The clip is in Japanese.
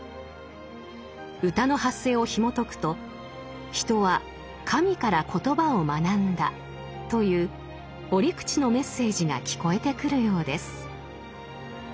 歌の発生をひもとくと「人は神から言葉を学んだ」という折口のメッセージが聞こえてくるようです。